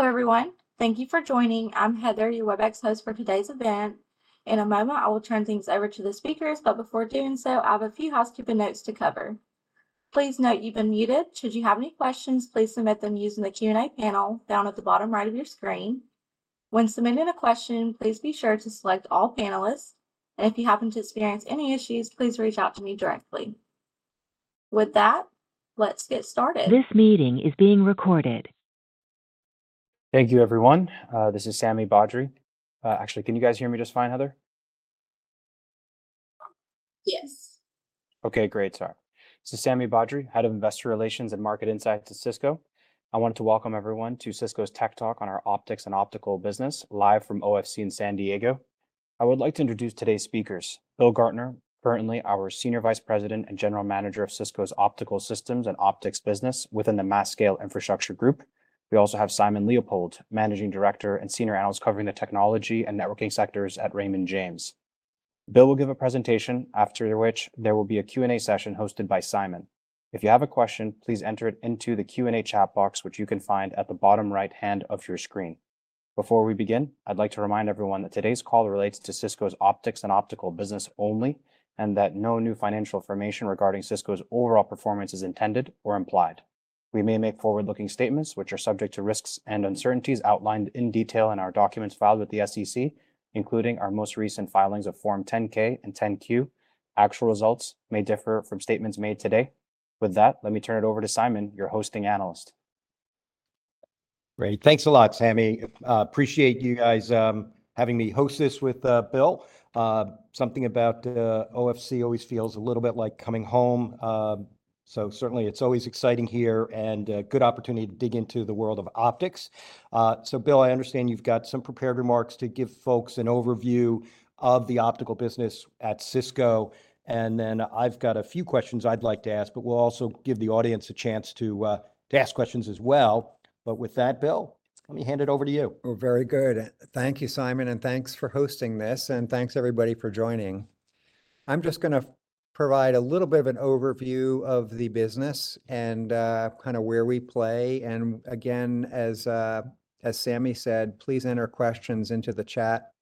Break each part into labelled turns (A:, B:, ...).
A: Hello, everyone. Thank you for joining. I'm Heather, your Webex host for today's event. In a moment, I will turn things over to the speakers, but before doing so, I have a few housekeeping notes to cover. Please note you've been muted. Should you have any questions, please submit them using the Q&A panel down at the bottom right of your screen. When submitting a question, please be sure to select All Panelists, and if you happen to experience any issues, please reach out to me directly. With that, let's get started.
B: This meeting is being recorded.
C: Thank you, everyone. This is Sami Badri. Actually, can you guys hear me just fine, Heather?
A: Yes.
C: Okay, great. Sorry. This is Sami Badri, Head of Investor Relations and Market Insights at Cisco. I want to welcome everyone to Cisco's Tech Talk on our Optics and Optical Business, live from OFC in San Diego. I would like to introduce today's speakers. Bill Gartner, currently our Senior Vice President and General Manager of Cisco's Optical Systems and Optics Business within the mass-scale infrastructure group. We also have Simon Leopold, Managing Director and Senior Analyst covering the technology and networking sectors at Raymond James. Bill will give a presentation, after which there will be a Q&A session hosted by Simon. If you have a question, please enter it into the Q&A chat box, which you can find at the bottom right-hand of your screen. Before we begin, I'd like to remind everyone that today's call relates to Cisco's optics and optical business only, and that no new financial information regarding Cisco's overall performance is intended or implied. We may make forward-looking statements, which are subject to risks and uncertainties outlined in detail in our documents filed with the SEC, including our most recent filings of Form 10-K and 10-Q. Actual results may differ from statements made today. With that, let me turn it over to Simon, your hosting analyst.
D: Great. Thanks a lot, Sami. Appreciate you guys having me host this with Bill. Something about OFC always feels a little bit like coming home, so certainly it's always exciting here, and a good opportunity to dig into the world of optics. So, Bill, I understand you've got some prepared remarks to give folks an overview of the optical business at Cisco, and then I've got a few questions I'd like to ask, but we'll also give the audience a chance to ask questions as well. But with that, Bill, let me hand it over to you.
E: Oh, very good. Thank you, Simon, and thanks for hosting this, and thanks, everybody, for joining. I'm just gonna provide a little bit of an overview of the business and, kinda where we play. And again, as, as Sami said, please enter questions into the chat,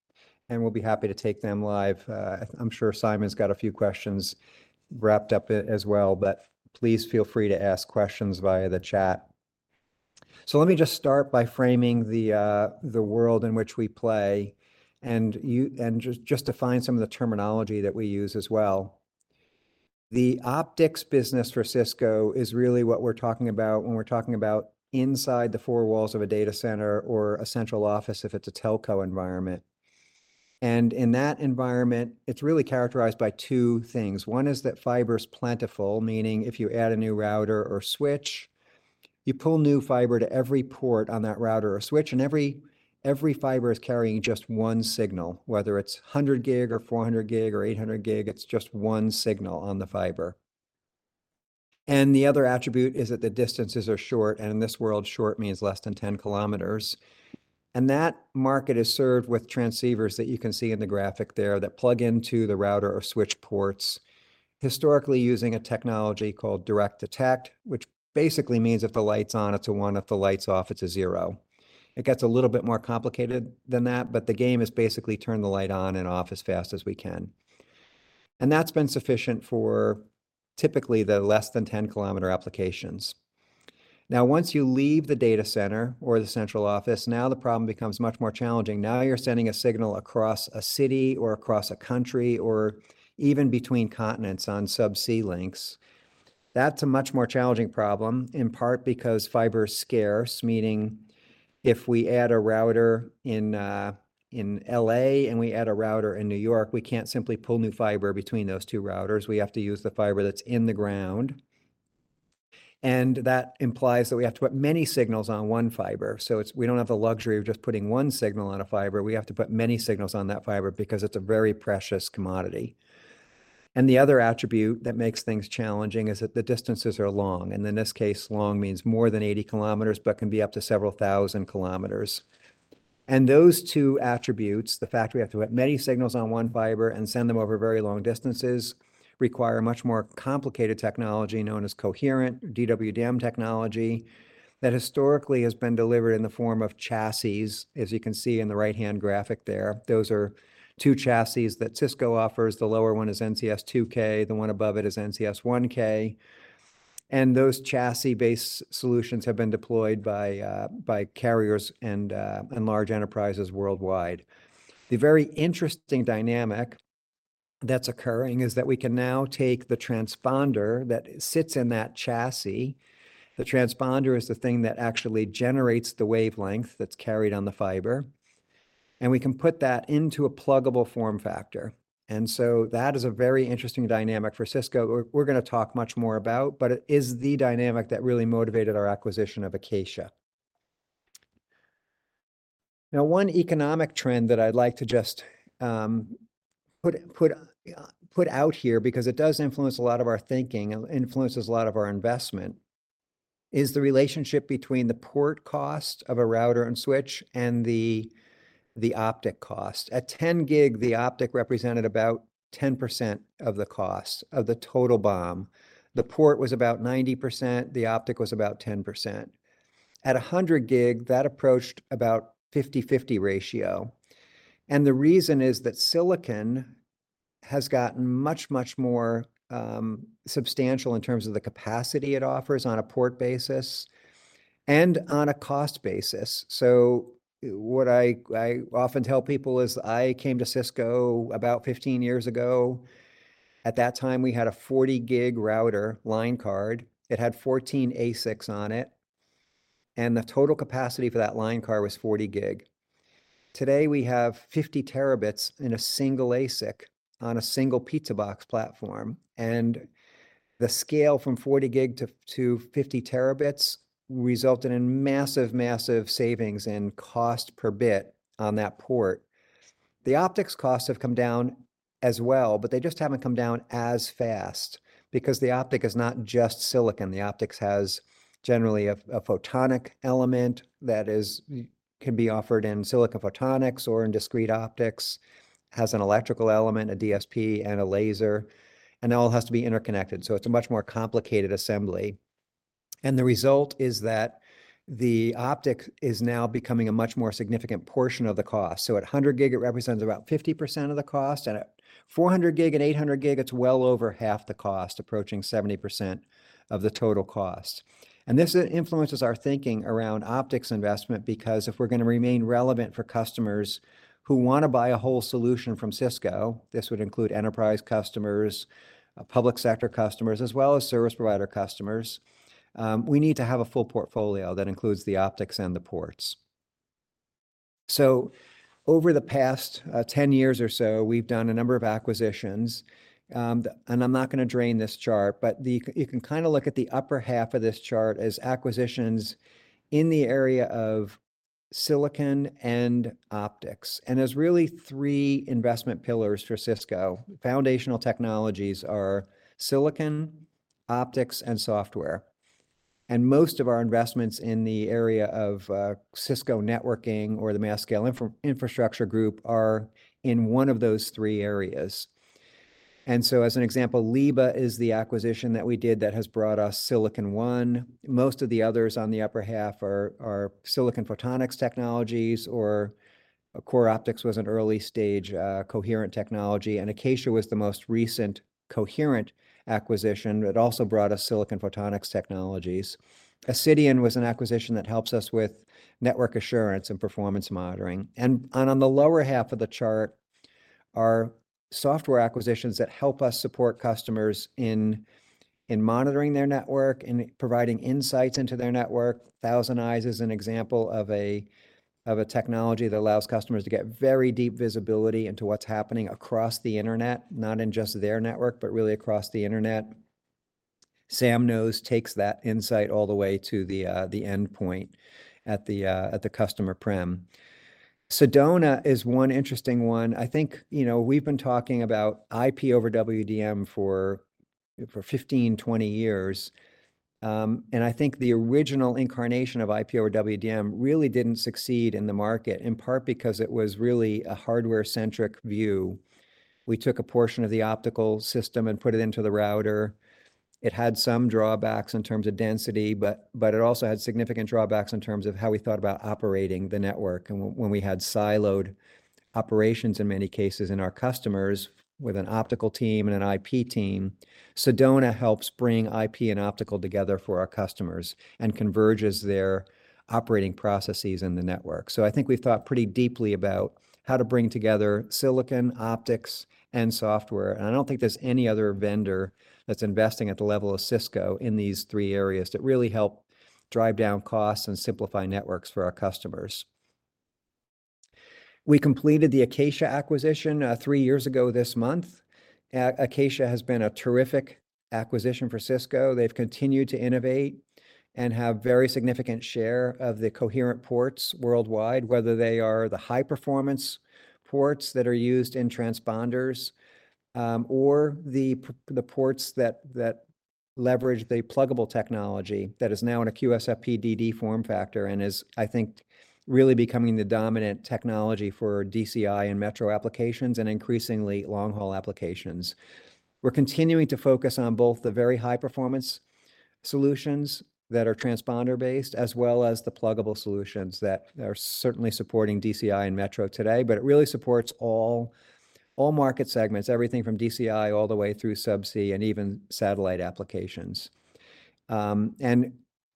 E: and we'll be happy to take them live. I'm sure Simon's got a few questions wrapped up as well, but please feel free to ask questions via the chat. So let me just start by framing the world in which we play, and just, just to define some of the terminology that we use as well. The optics business for Cisco is really what we're talking about when we're talking about inside the four walls of a data center or a central office, if it's a telco environment. In that environment, it's really characterized by two things. One is that fiber is plentiful, meaning if you add a new router or switch, you pull new fiber to every port on that router or switch, and every fiber is carrying just one signal, whether it's 100 Gb or 400 Gb or 800 Gb, it's just one signal on the fiber. The other attribute is that the distances are short, and in this world, short means less than 10 km. That market is served with transceivers that you can see in the graphic there, that plug into the router or switch ports, historically using a technology called direct detect, which basically means if the light's on, it's a 1. If the light's off, it's a 0. It gets a little bit more complicated than that, but the game is basically turn the light on and off as fast as we can. And that's been sufficient for typically the less than 10-km applications. Now, once you leave the data center or the central office, now the problem becomes much more challenging. Now, you're sending a signal across a city, or across a country, or even between continents on subsea links. That's a much more challenging problem, in part because fiber is scarce, meaning if we add a router in, in L.A. and we add a router in New York, we can't simply pull new fiber between those two routers. We have to use the fiber that's in the ground, and that implies that we have to put many signals on one fiber. So it's we don't have the luxury of just putting one signal on a fiber, we have to put many signals on that fiber because it's a very precious commodity. And the other attribute that makes things challenging is that the distances are long, and in this case, long means more than 80 km, but can be up to several-thousand km. And those two attributes, the fact we have to have many signals on one fiber and send them over very long distances, require a much more complicated technology known as coherent or DWDM technology that historically has been delivered in the form of chassis, as you can see in the right-hand graphic there. Those are two chassis that Cisco offers. The lower one is NCS 2000, the one above it is NCS 1000, and those chassis-based solutions have been deployed by carriers and large enterprises worldwide. The very interesting dynamic that's occurring is that we can now take the transponder that sits in that chassis. The transponder is the thing that actually generates the wavelength that's carried on the fiber, and we can put that into a pluggable form factor. And so that is a very interesting dynamic for Cisco. We're, we're gonna talk much more about, but it is the dynamic that really motivated our acquisition of Acacia. Now, one economic trend that I'd like to just put out here, because it does influence a lot of our thinking, it influences a lot of our investment, is the relationship between the port cost of a router and switch and the, the optic cost. At 10 Gb, the optic represented about 10% of the cost of the total BOM. The port was about 90%, the optic was about 10%. At 100 Gb, that approached about 50/50 ratio. The reason is that silicon has gotten much, much more substantial in terms of the capacity it offers on a port basis and on a cost basis. What I often tell people is I came to Cisco about 15 years ago. At that time, we had a 40 Gb router line card. It had 14 ASICs on it, and the total capacity for that line card was 40 Gb. Today, we have 50 Tb in a single ASIC on a single pizza box platform, and the scale from 40 Gb to 50 Tb resulted in massive, massive savings in cost per bit on that port. The optics costs have come down as well, but they just haven't come down as fast because the optic is not just silicon. The optics has generally a photonic element that can be offered in silicon photonics or in discrete optics, has an electrical element, a DSP, and a laser, and it all has to be interconnected. It's a much more complicated assembly, and the result is that the optic is now becoming a much more significant portion of the cost. At 100 Gb, it represents about 50% of the cost, and at 400 Gb and 800 Gb, it's well over half the cost, approaching 70% of the total cost. And this influences our thinking around optics investment, because if we're going to remain relevant for customers who want to buy a whole solution from Cisco, this would include enterprise customers, public sector customers, as well as service provider customers, we need to have a full portfolio that includes the optics and the ports. So over the past 10 years or so, we've done a number of acquisitions, and I'm not going to drain this chart, but You can kind of look at the upper half of this chart as acquisitions in the area of silicon and optics. And there's really three investment pillars for Cisco. Foundational technologies are silicon, optics, and software. And most of our investments in the area of Cisco Networking or the mass-scale infrastructure group are in one of those three areas. And so, as an example, Leaba is the acquisition that we did that has brought us Silicon One. Most of the others on the upper half are silicon photonics technologies or CoreOptics was an early-stage coherent technology, and Acacia was the most recent coherent acquisition. It also brought us silicon photonics technologies. Accedian was an acquisition that helps us with network assurance and performance monitoring. And on the lower half of the chart are software acquisitions that help us support customers in monitoring their network and providing insights into their network. ThousandEyes is an example of a technology that allows customers to get very deep visibility into what's happening across the internet, not just in their network, but really across the internet. SamKnows takes that insight all the way to the endpoint at the customer prem. Sedona is one interesting one. I think, you know, we've been talking about IP over WDM for 15, 20 years. And I think the original incarnation of IP over WDM really didn't succeed in the market, in part because it was really a hardware-centric view. We took a portion of the optical system and put it into the router. It had some drawbacks in terms of density, but it also had significant drawbacks in terms of how we thought about operating the network and when we had siloed operations, in many cases, in our customers with an optical team and an IP team. Sedona helps bring IP and optical together for our customers and converges their operating processes in the network. So I think we've thought pretty deeply about how to bring together silicon, optics, and software, and I don't think there's any other vendor that's investing at the level of Cisco in these three areas that really help drive down costs and simplify networks for our customers. We completed the Acacia acquisition three years ago this month. Acacia has been a terrific acquisition for Cisco. They've continued to innovate and have very significant share of the coherent ports worldwide, whether they are the high-performance ports that are used in transponders, or the ports that leverage the pluggable technology that is now in a QSFP-DD form factor and is, I think, really becoming the dominant technology for DCI and metro applications and increasingly long-haul applications. We're continuing to focus on both the very high-performance solutions that are transponder-based, as well as the pluggable solutions that are certainly supporting DCI and metro today, but it really supports all, all market segments, everything from DCI all the way through subsea and even satellite applications.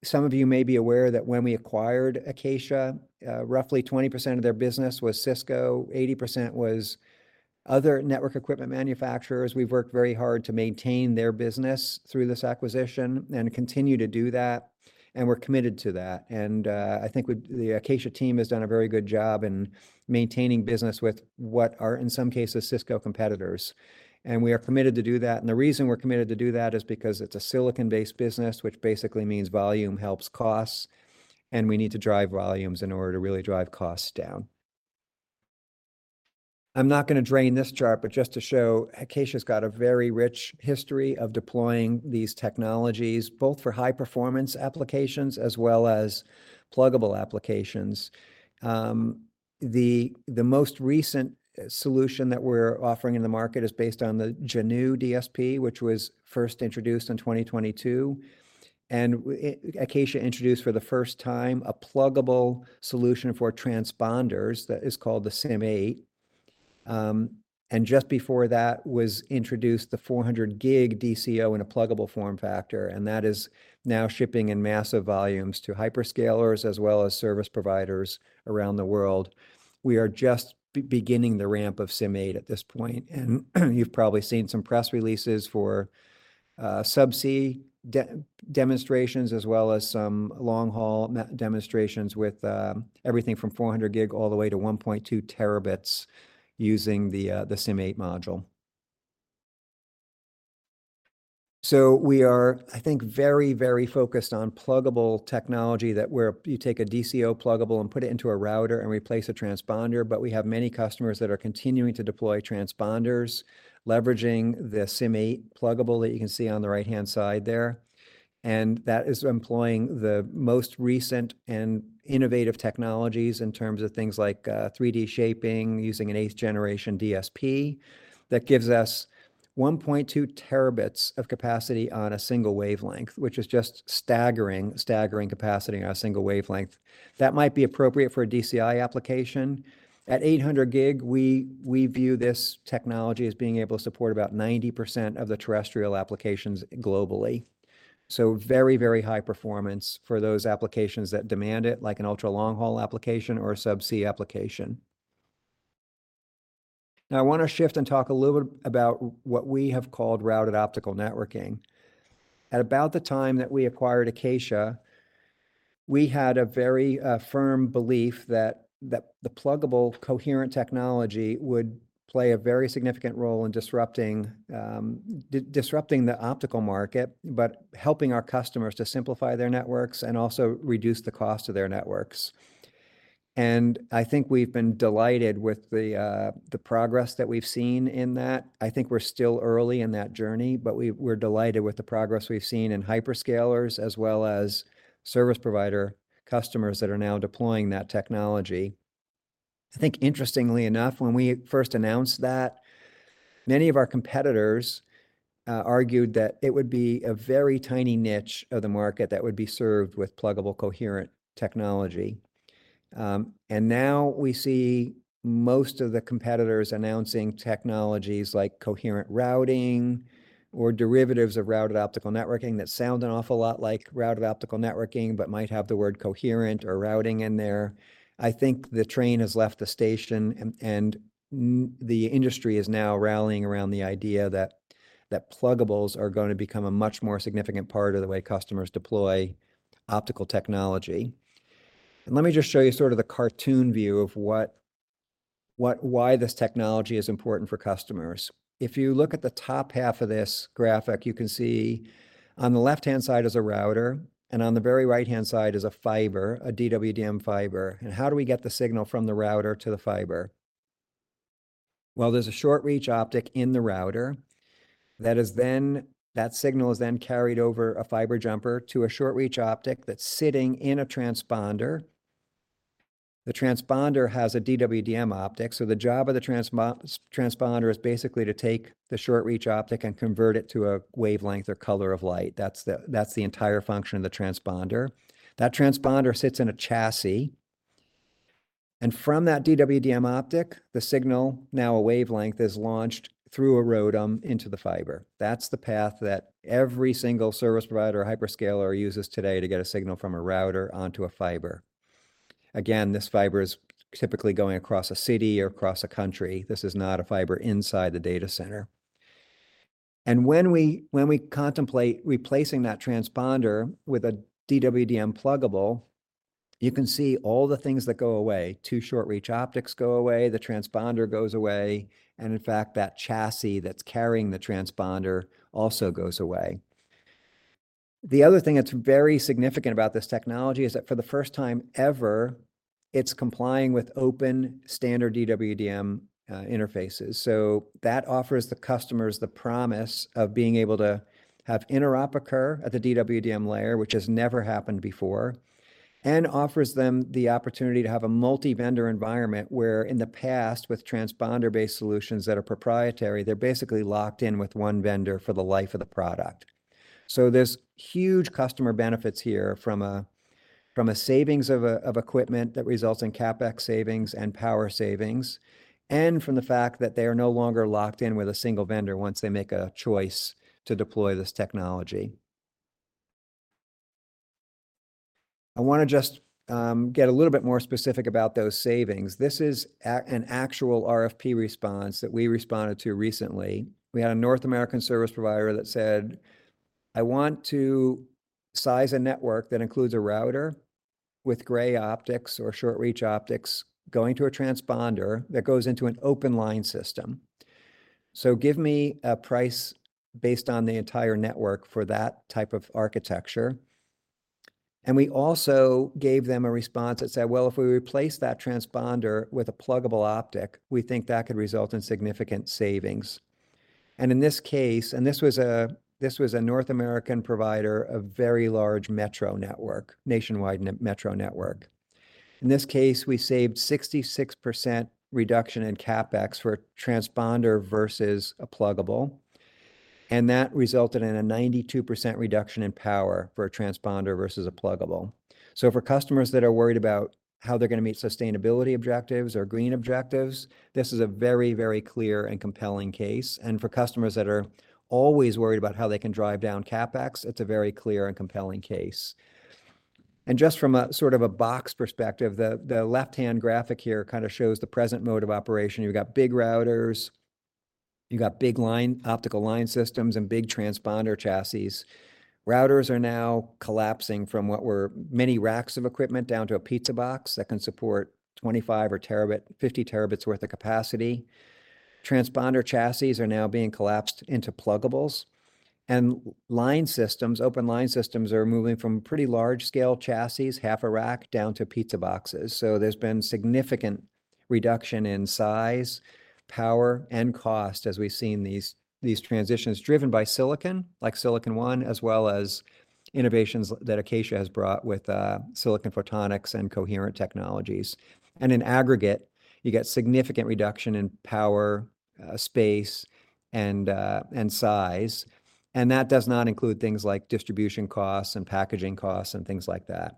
E: Some of you may be aware that when we acquired Acacia, roughly 20% of their business was Cisco, 80% was other network equipment manufacturers. We've worked very hard to maintain their business through this acquisition and continue to do that, and we're committed to that. I think we... the Acacia team has done a very good job in maintaining business with what are, in some cases, Cisco competitors, and we are committed to do that. And the reason we're committed to do that is because it's a silicon-based business, which basically means volume helps costs, and we need to drive volumes in order to really drive costs down. I'm not going to drain this chart, but just to show Acacia's got a very rich history of deploying these technologies, both for high-performance applications as well as pluggable applications. The most recent solution that we're offering in the market is based on the Jannu DSP, which was first introduced in 2022. And Acacia introduced for the first time a pluggable solution for transponders that is called the CIM 8. And just before that was introduced, the 400 Gb DCO in a pluggable form factor, and that is now shipping in massive volumes to hyperscalers as well as service providers around the world. We are just beginning the ramp of CIM 8 at this point, and you've probably seen some press releases for subsea demonstrations, as well as some long-haul demonstrations with everything from 400 Gb all the way to 1.2 Tb using the CIM 8 module. So we are, I think, very, very focused on pluggable technology, that where you take a DCO pluggable and put it into a router and replace a transponder. But we have many customers that are continuing to deploy transponders, leveraging the CIM 8 pluggable that you can see on the right-hand side there. And that is employing the most recent and innovative technologies in terms of things like 3D shaping, using an eighth generation DSP, that gives us 1.2 Tb of capacity on a single wavelength, which is just staggering, staggering capacity on a single wavelength. That might be appropriate for a DCI application. At 800 Gb, we view this technology as being able to support about 90% of the terrestrial applications globally. So very, very high performance for those applications that demand it, like an ultra-long haul application or a subsea application. Now, I want to shift and talk a little bit about what we have called routed optical networking. At about the time that we acquired Acacia, we had a very firm belief that the pluggable coherent technology would play a very significant role in disrupting the optical market, but helping our customers to simplify their networks and also reduce the cost of their networks. And I think we've been delighted with the progress that we've seen in that. I think we're still early in that journey, but we're delighted with the progress we've seen in hyperscalers as well as service provider customers that are now deploying that technology. I think interestingly enough, when we first announced that, many of our competitors argued that it would be a very tiny niche of the market that would be served with pluggable, coherent technology. And now we see most of the competitors announcing technologies like coherent routing or derivatives of Routed Optical Networking that sound an awful lot like Routed Optical Networking, but might have the word coherent or routing in there. I think the train has left the station, and the industry is now rallying around the idea that pluggables are going to become a much more significant part of the way customers deploy optical technology. Let me just show you sort of the cartoon view of what why this technology is important for customers. If you look at the top half of this graphic, you can see on the left-hand side is a router, and on the very right-hand side is a fiber, a DWDM fiber. How do we get the signal from the router to the fiber? Well, there's a short-reach optic in the router that is then... That signal is then carried over a fiber jumper to a short-reach optic that's sitting in a transponder. The transponder has a DWDM optic, so the job of the transponder is basically to take the short-reach optic and convert it to a wavelength or color of light. That's the entire function of the transponder. That transponder sits in a chassis, and from that DWDM optic, the signal, now a wavelength, is launched through a ROADM into the fiber. That's the path that every single service provider or hyperscaler uses today to get a signal from a router onto a fiber. Again, this fiber is typically going across a city or across a country. This is not a fiber inside the data center. And when we contemplate replacing that transponder with a DWDM pluggable, you can see all the things that go away. Two short-reach optics go away, the transponder goes away, and in fact, that chassis that's carrying the transponder also goes away. The other thing that's very significant about this technology is that for the first time ever, it's complying with open standard DWDM interfaces. So that offers the customers the promise of being able to have interop occur at the DWDM layer, which has never happened before, and offers them the opportunity to have a multi-vendor environment, where in the past, with transponder-based solutions that are proprietary, they're basically locked in with one vendor for the life of the product. So there's huge customer benefits here from a savings of equipment that results in CapEx savings and power savings, and from the fact that they are no longer locked in with a single vendor once they make a choice to deploy this technology. I want to just get a little bit more specific about those savings. This is an actual RFP response that we responded to recently. We had a North American service provider that said, "I want to size a network that includes a router with gray optics or short-reach optics, going to a transponder that goes into an open line system. So give me a price based on the entire network for that type of architecture." And we also gave them a response that said, "Well, if we replace that transponder with a pluggable optic, we think that could result in significant savings. And in this case, and this was a, this was a North American provider, a very large metro network, nationwide metro network. In this case, we saved 66% reduction in CapEx for transponder versus a pluggable, and that resulted in a 92% reduction in power for a transponder versus a pluggable. So for customers that are worried about how they're going to meet sustainability objectives or green objectives, this is a very, very clear and compelling case. And for customers that are always worried about how they can drive down CapEx, it's a very clear and compelling case. And just from a sort of a box perspective, the left-hand graphic here kind of shows the present mode of operation. You've got big routers, you got big line, optical line systems, and big transponder chassis. Routers are now collapsing from what were many racks of equipment down to a pizza box that can support 25 Tb or 50 Tb worth of capacity. Transponder chassis are now being collapsed into pluggables, and line systems, open line systems are moving from pretty large scale chassis, half a rack, down to pizza boxes. So there's been significant reduction in size, power, and cost as we've seen these, these transitions driven by silicon, like Silicon One, as well as innovations that Acacia has brought with silicon photonics and coherent technologies. And in aggregate, you get significant reduction in power, space, and size. And that does not include things like distribution costs and packaging costs, and things like that.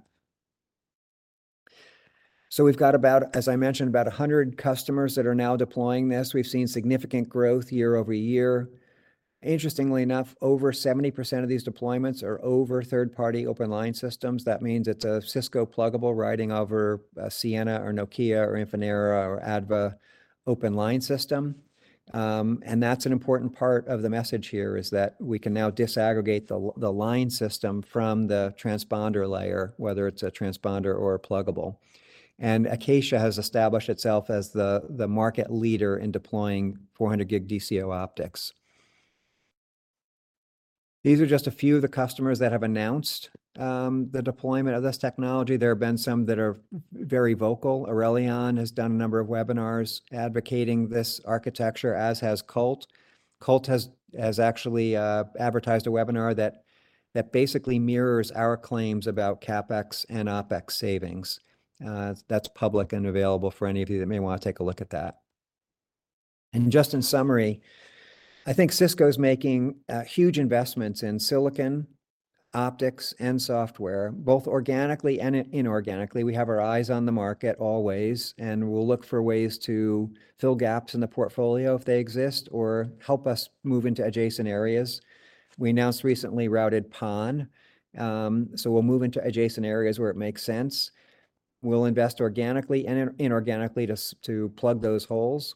E: So we've got about, as I mentioned, about 100 customers that are now deploying this. We've seen significant growth year-over-year. Interestingly enough, over 70% of these deployments are over third-party open line systems. That means it's a Cisco pluggable riding over a Ciena or Nokia or Infinera or ADVA open line system. And that's an important part of the message here, is that we can now disaggregate the line system from the transponder layer, whether it's a transponder or a pluggable. And Acacia has established itself as the market leader in deploying 400 Gb DCO optics. These are just a few of the customers that have announced the deployment of this technology. There have been some that are very vocal. Arelion has done a number of webinars advocating this architecture, as has Colt. Colt has actually advertised a webinar that basically mirrors our claims about CapEx and OpEx savings. That's public and available for any of you that may want to take a look at that. And just in summary, I think Cisco is making huge investments in silicon, optics, and software, both organically and inorganically. We have our eyes on the market always, and we'll look for ways to fill gaps in the portfolio if they exist, or help us move into adjacent areas. We announced recently Routed PON, so we'll move into adjacent areas where it makes sense. We'll invest organically and inorganically to plug those holes.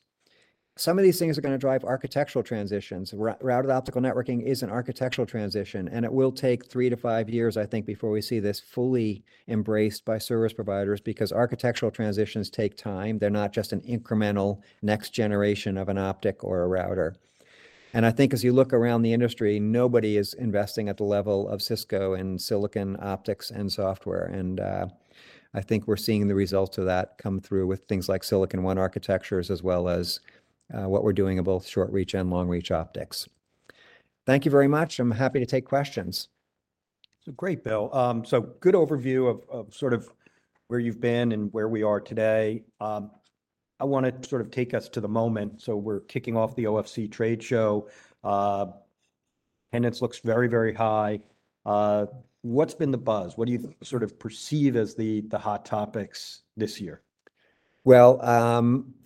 E: Some of these things are going to drive architectural transitions. Routed Optical Networking is an architectural transition, and it will take three-to-five years, I think, before we see this fully embraced by service providers, because architectural transitions take time. They're not just an incremental next generation of an optic or a router. I think as you look around the industry, nobody is investing at the level of Cisco in silicon, optics, and software, and I think we're seeing the results of that come through with things like Silicon One architectures, as well as what we're doing in both short reach and long reach optics. Thank you very much. I'm happy to take questions.
D: So great, Bill. So good overview of sort of where you've been and where we are today. I want to sort of take us to the moment. So we're kicking off the OFC trade show. Attendance looks very, very high. What's been the buzz? What do you sort of perceive as the hot topics this year?
E: Well,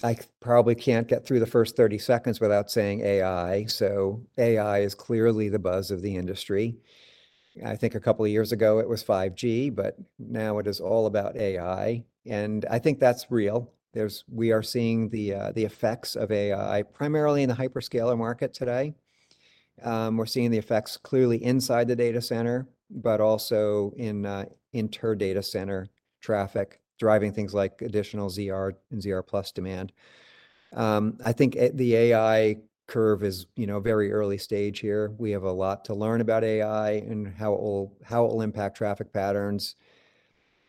E: I probably can't get through the first 30 seconds without saying AI. So AI is clearly the buzz of the industry. I think a couple of years ago it was 5G, but now it is all about AI, and I think that's real. There, we are seeing the effects of AI, primarily in the hyperscaler market today. We're seeing the effects clearly inside the data center, but also in inter data center traffic, driving things like additional ZR and ZR+ demand. I think that the AI curve is, you know, very early stage here. We have a lot to learn about AI and how it will, how it will impact traffic patterns,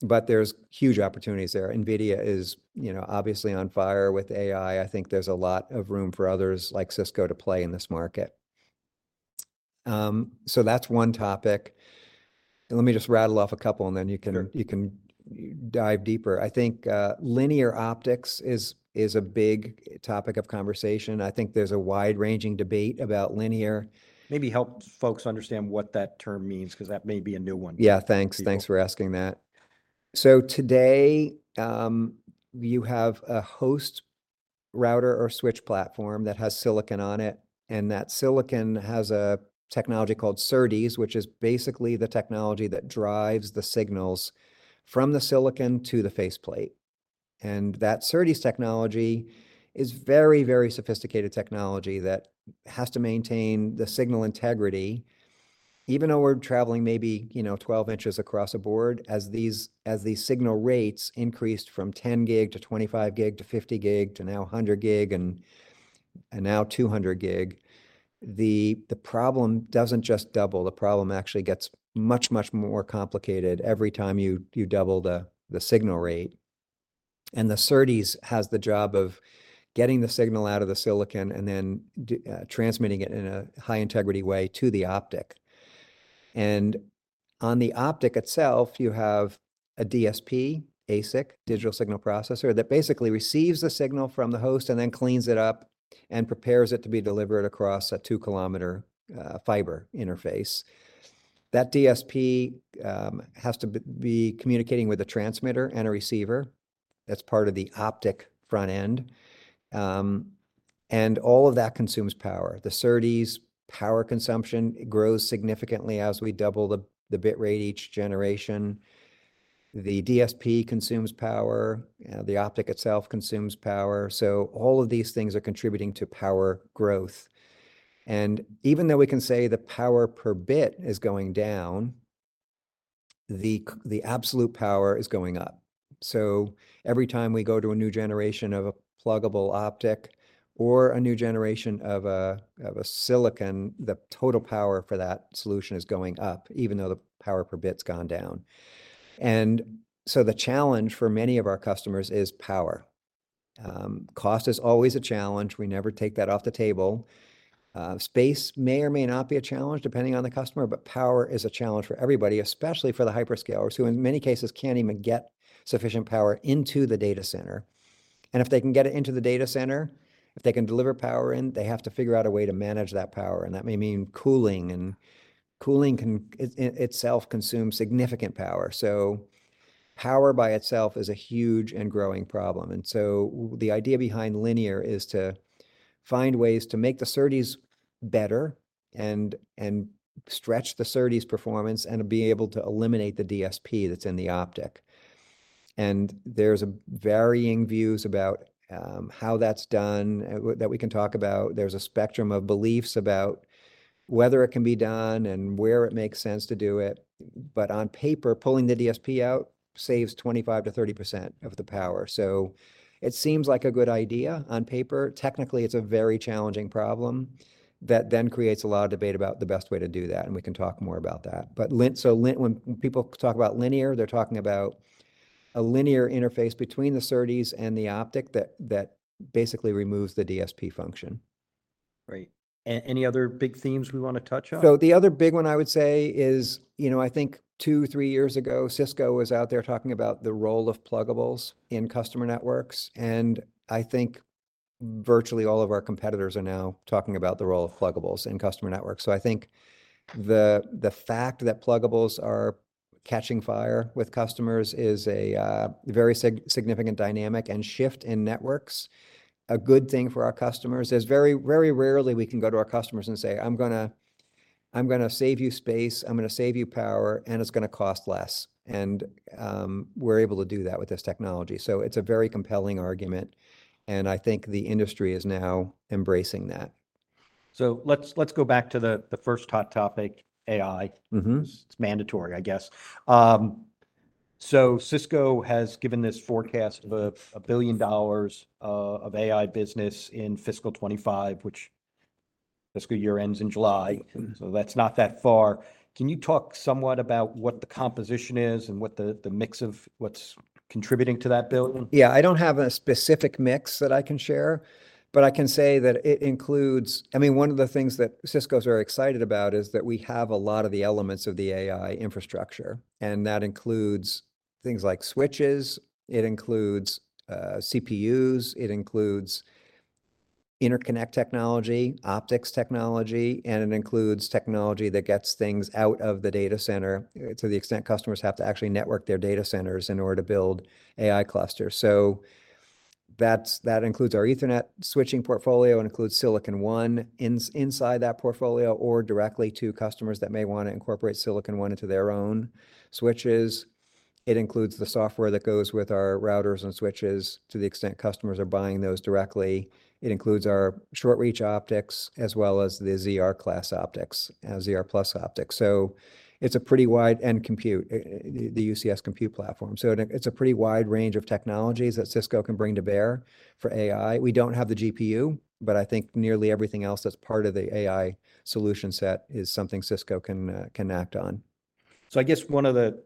E: but there's huge opportunities there. NVIDIA is, you know, obviously on fire with AI. I think there's a lot of room for others like Cisco to play in this market. That's one topic. Let me just rattle off a couple, and then you can-
D: Sure...
E: you can dive deeper. I think, linear optics is a big topic of conversation. I think there's a wide-ranging debate about linear.
D: Maybe help folks understand what that term means, because that may be a new one.
E: Yeah, thanks.
D: Yeah.
E: Thanks for asking that. So today, you have a host router or switch platform that has silicon on it, and that silicon has a technology called SerDes, which is basically the technology that drives the signals from the silicon to the faceplate. And that SerDes technology is very, very sophisticated technology that has to maintain the signal integrity, even though we're traveling maybe, you know, 12 inches across a board. As these signal rates increased from 10 Gb to 25 Gb to 50 Gb, to now 100 Gb, and now 200 Gb, the problem doesn't just double, the problem actually gets much, much more complicated every time you double the signal rate, and the SerDes has the job of getting the signal out of the silicon and then transmitting it in a high-integrity way to the optic. On the optic itself, you have a DSP ASIC, digital signal processor, that basically receives the signal from the host and then cleans it up and prepares it to be delivered across a 2-km fiber interface. That DSP has to be communicating with a transmitter and a receiver. That's part of the optic front end. And all of that consumes power. The SerDes power consumption grows significantly as we double the bit rate each generation. The DSP consumes power, the optic itself consumes power, so all of these things are contributing to power growth. And even though we can say the power per bit is going down, the absolute power is going up. So every time we go to a new generation of a pluggable optic or a new generation of a, of a silicon, the total power for that solution is going up, even though the power per bit's gone down. And so the challenge for many of our customers is power. Cost is always a challenge. We never take that off the table. Space may or may not be a challenge, depending on the customer, but power is a challenge for everybody, especially for the hyperscalers, who in many cases can't even get sufficient power into the data center. And if they can get it into the data center, if they can deliver power in, they have to figure out a way to manage that power, and that may mean cooling, and cooling can itself consume significant power. So power by itself is a huge and growing problem, and so the idea behind linear is to find ways to make the SerDes better and, and stretch the SerDes performance and to be able to eliminate the DSP that's in the optic. And there's varying views about how that's done, that we can talk about. There's a spectrum of beliefs about whether it can be done and where it makes sense to do it, but on paper, pulling the DSP out saves 25%-30% of the power. So it seems like a good idea on paper. Technically, it's a very challenging problem that then creates a lot of debate about the best way to do that, and we can talk more about that. But when people talk about linear, they're talking about a linear interface between the SerDes and the optic that basically removes the DSP function.
D: Right. Any other big themes we wanna touch on?
E: So the other big one I would say is, you know, I think two, three years ago, Cisco was out there talking about the role of pluggables in customer networks, and I think virtually all of our competitors are now talking about the role of pluggables in customer networks. So I think the, the fact that pluggables are catching fire with customers is a very significant dynamic and shift in networks, a good thing for our customers, as very, very rarely we can go to our customers and say, "I'm gonna, I'm gonna save you space, I'm gonna save you power, and it's gonna cost less." And we're able to do that with this technology. So it's a very compelling argument, and I think the industry is now embracing that.
D: So let's go back to the first hot topic, AI.
E: Mm-hmm.
D: It's mandatory, I guess. Cisco has given this forecast of $1 billion of AI business in fiscal 2025, which fiscal year ends in July.
E: Mm-hmm....
D: so that's not that far. Can you talk somewhat about what the composition is, and what the mix of what's contributing to that $1 billion?
E: Yeah, I don't have a specific mix that I can share, but I can say that it includes—I mean, one of the things that Cisco's very excited about is that we have a lot of the elements of the AI infrastructure, and that includes things like switches, it includes CPUs, it includes interconnect technology, optics technology, and it includes technology that gets things out of the data center, to the extent customers have to actually network their data centers in order to build AI clusters. So that's that includes our Ethernet switching portfolio, and includes Silicon One inside that portfolio, or directly to customers that may wanna incorporate Silicon One into their own switches. It includes the software that goes with our routers and switches, to the extent customers are buying those directly. It includes our short-reach optics, as well as the ZR class optics, ZR+ optics. So it's a pretty wide... And compute, the UCS compute platform. So it, it's a pretty wide range of technologies that Cisco can bring to bear for AI. We don't have the GPU, but I think nearly everything else that's part of the AI solution set is something Cisco can, can act on.
D: I guess one of the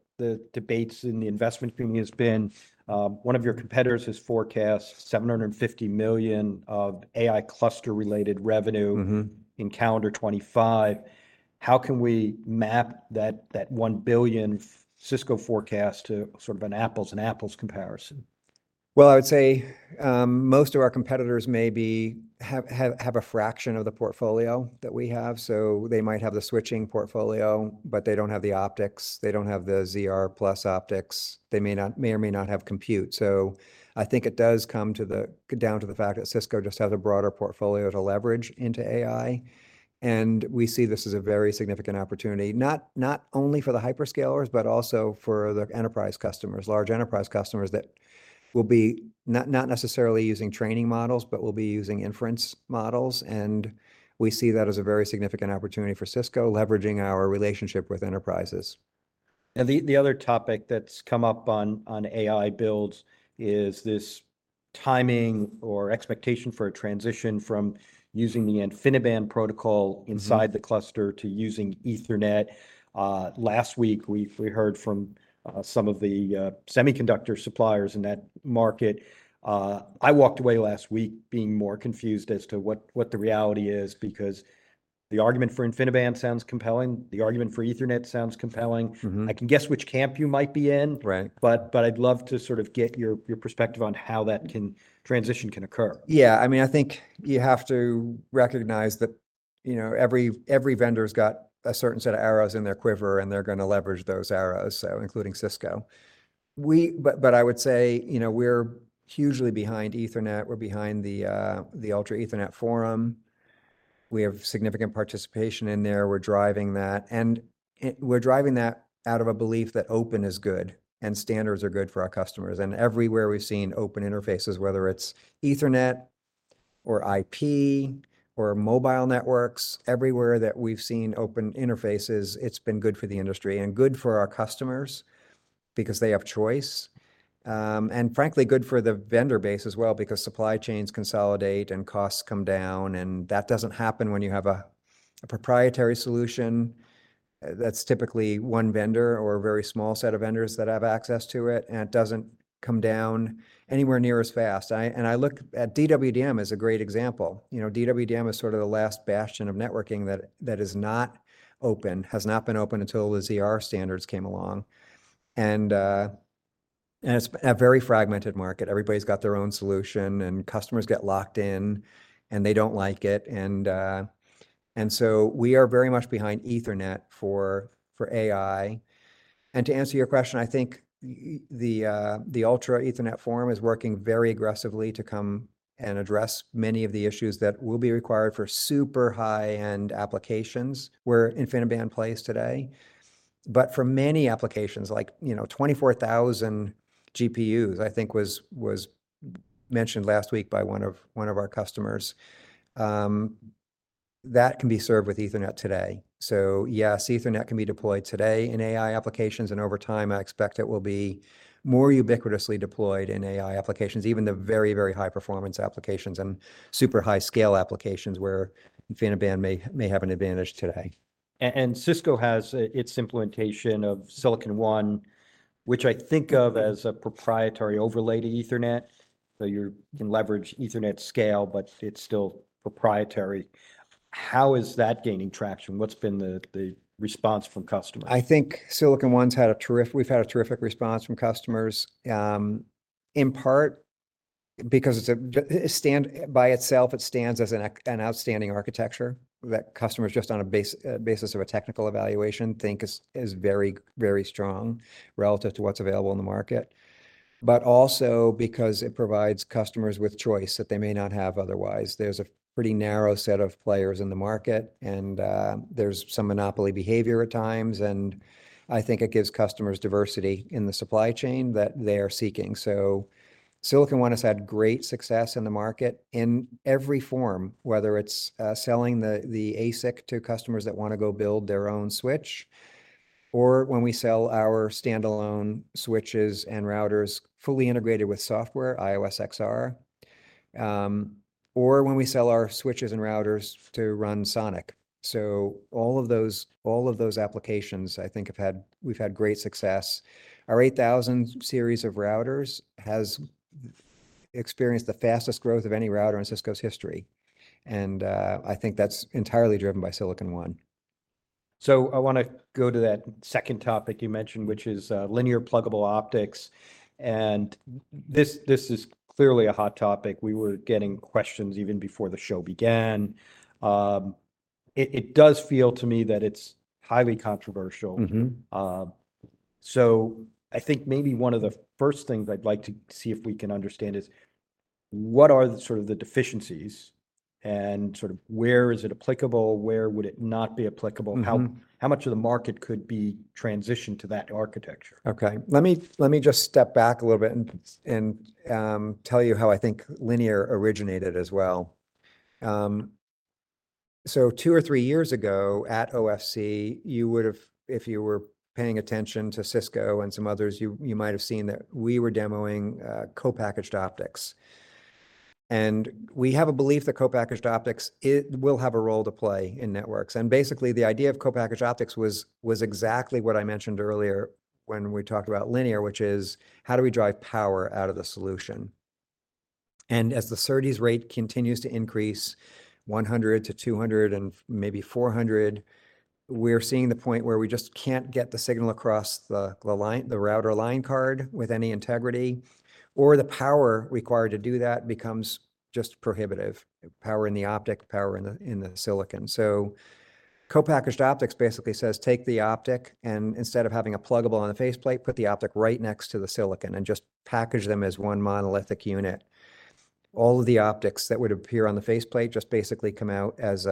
D: debates in the investment community has been, one of your competitors has forecast $750 million of AI cluster-related revenue-
E: Mm-hmm...
D: in calendar 2025. How can we map that, that $1-billion Cisco forecast to sort of an apples-an- apples comparison?
E: Well, I would say, most of our competitors maybe have a fraction of the portfolio that we have. So they might have the switching portfolio, but they don't have the optics, they don't have the ZR+ optics. They may not, may or may not have compute. So I think it does come down to the fact that Cisco just has a broader portfolio to leverage into AI, and we see this as a very significant opportunity, not only for the hyperscalers, but also for the enterprise customers, large enterprise customers that will be not necessarily using training models, but will be using inference models, and we see that as a very significant opportunity for Cisco, leveraging our relationship with enterprises.
D: The other topic that's come up on AI builds is this timing or expectation for a transition from using the InfiniBand protocol-
E: Mm-hmm.
D: Inside the cluster to using Ethernet. Last week, we heard from some of the semiconductor suppliers in that market. I walked away last week being more confused as to what the reality is, because the argument for InfiniBand sounds compelling, the argument for Ethernet sounds compelling.
E: Mm-hmm.
D: I can guess which camp you might be in.
E: Right.
D: But I'd love to sort of get your perspective on how that transition can occur.
E: Yeah, I mean, I think you have to recognize that, you know, every vendor's got a certain set of arrows in their quiver, and they're gonna leverage those arrows, so including Cisco. But, but I would say, you know, we're hugely behind Ethernet. We're behind the Ultra Ethernet forum. We have significant participation in there. We're driving that, and we're driving that out of a belief that open is good and standards are good for our customers. And everywhere we've seen open interfaces, whether it's Ethernet or IP or mobile networks, everywhere that we've seen open interfaces, it's been good for the industry and good for our customers because they have choice. And frankly, good for the vendor base as well, because supply chains consolidate and costs come down, and that doesn't happen when you have a proprietary solution. That's typically one vendor or a very small set of vendors that have access to it, and it doesn't come down anywhere near as fast. And I look at DWDM as a great example. You know, DWDM is sort of the last bastion of networking that, that is not open, has not been open until the ZR standards came along. And it's a very fragmented market. Everybody's got their own solution, and customers get locked in, and they don't like it. And so we are very much behind Ethernet for, for AI. And to answer your question, I think the Ultra Ethernet forum is working very aggressively to come and address many of the issues that will be required for super high-end applications, where InfiniBand plays today. But for many applications, like, you know, 24,000 GPUs, I think was mentioned last week by one of our customers that can be served with Ethernet today. So yes, Ethernet can be deployed today in AI applications, and over time, I expect it will be more ubiquitously deployed in AI applications, even the very, very high-performance applications and super high-scale applications where InfiniBand may have an advantage today.
D: And Cisco has its implementation of Silicon One, which I think of-
E: Mm-hmm...
D: as a proprietary overlay to Ethernet. So you can leverage Ethernet scale, but it's still proprietary. How is that gaining traction? What's been the response from customers?
E: I think Silicon One's had a terrific, we've had a terrific response from customers, in part because by itself it stands as an outstanding architecture that customers, just on a basis of a technical evaluation, think is very, very strong relative to what's available in the market. But also because it provides customers with choice that they may not have otherwise. There's a pretty narrow set of players in the market, and there's some monopoly behavior at times, and I think it gives customers diversity in the supply chain that they are seeking. So Silicon One has had great success in the market in every form, whether it's selling the ASIC to customers that wanna go build their own switch, or when we sell our standalone switches and routers fully integrated with software, IOS XR, or when we sell our switches and routers to run SONiC. So all of those, all of those applications, I think have had—we've had great success. Our 8000 Series of routers has experienced the fastest growth of any router in Cisco's history, and I think that's entirely driven by Silicon One.
D: So I wanna go to that second topic you mentioned, which is linear pluggable optics, and this is clearly a hot topic. We were getting questions even before the show began. It does feel to me that it's highly controversial.
E: Mm-hmm.
D: I think maybe one of the first things I'd like to see if we can understand is, what are the sort of the deficiencies, and sort of where is it applicable, where would it not be applicable?
E: Mm-hmm.
D: How much of the market could be transitioned to that architecture?
E: Okay. Let me, let me just step back a little bit and, and, tell you how I think linear originated as well. So two or three years ago at OFC, you would have—if you were paying attention to Cisco and some others, you, you might have seen that we were demoing co-packaged optics. And we have a belief that co-packaged optics, it will have a role to play in networks. And basically, the idea of co-packaged optics was, was exactly what I mentioned earlier when we talked about linear, which is: how do we drive power out of the solution? As the SerDes rate continues to increase 100 Gb-200 Gb and maybe 400 Gb, we're seeing the point where we just can't get the signal across the line, the router line card with any integrity, or the power required to do that becomes just prohibitive. Power in the optic, power in the silicon. So co-packaged optics basically says, take the optic, and instead of having a pluggable on the faceplate, put the optic right next to the silicon and just package them as one monolithic unit. All of the optics that would appear on the faceplate just basically come out as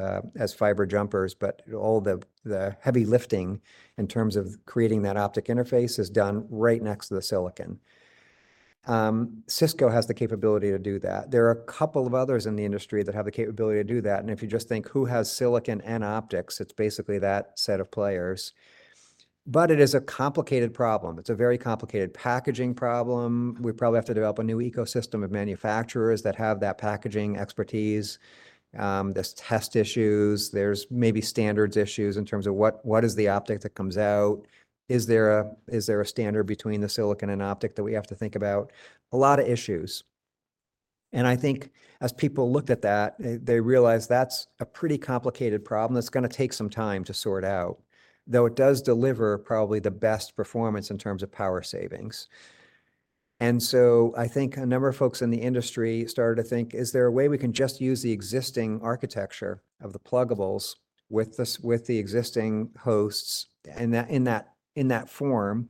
E: fiber jumpers, but all the heavy lifting in terms of creating that optic interface is done right next to the silicon. Cisco has the capability to do that. There are a couple of others in the industry that have the capability to do that, and if you just think, who has silicon and optics, it's basically that set of players, but it is a complicated problem. It's a very complicated packaging problem. We probably have to develop a new ecosystem of manufacturers that have that packaging expertise. There's test issues, there's maybe standards issues in terms of what is the optic that comes out? Is there a standard between the silicon and optic that we have to think about? A lot of issues. And I think as people looked at that, they realized that's a pretty complicated problem that's gonna take some time to sort out, though it does deliver probably the best performance in terms of power savings. And so I think a number of folks in the industry started to think, "Is there a way we can just use the existing architecture of the pluggables with the existing hosts in that, in that, in that form,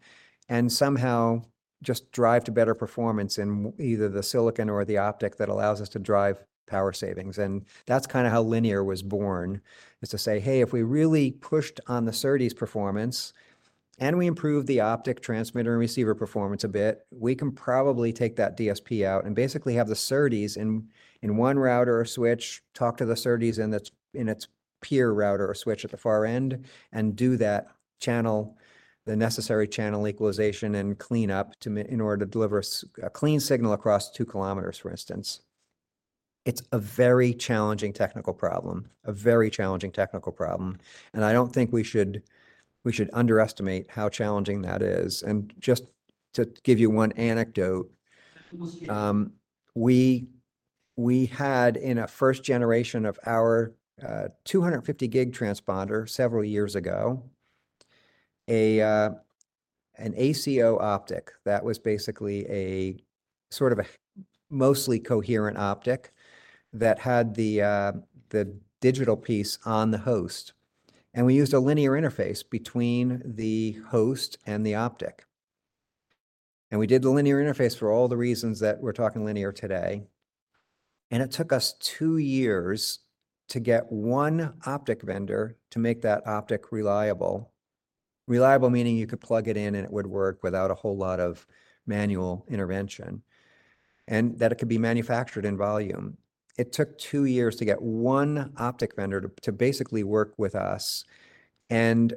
E: and somehow just drive to better performance in either the silicon or the optic that allows us to drive power savings?" And that's kinda how linear was born, is to say, "Hey, if we really pushed on the SerDes performance and we improved the optic transmitter and receiver performance a bit, we can probably take that DSP out and basically have the SerDes in one router or switch, talk to the SerDes in its peer router or switch at the far end, and do that channel, the necessary channel equalization and cleanup in order to deliver a clean signal across 2 km, for instance." It's a very challenging technical problem, a very challenging technical problem, and I don't think we should, we should underestimate how challenging that is. And just to give you one anecdote, we had in a first generation of our 250-Gb transponder several years ago, an ACO optic that was basically a sort of a mostly coherent optic that had the digital piece on the host, and we used a linear interface between the host and the optic. And we did the linear interface for all the reasons that we're talking linear today, and it took us two years to get one optic vendor to make that optic reliable. Reliable, meaning you could plug it in, and it would work without a whole lot of manual intervention, and that it could be manufactured in volume. It took two years to get one optic vendor to basically work with us, and